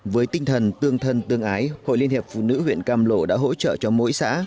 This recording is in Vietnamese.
với tinh thần tương thân tương ái hội liên hiệp phụ nữ huyện cam lộ đã hỗ trợ cho mỗi xã